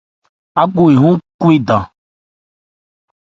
Áko ehɔ́n Khwédan.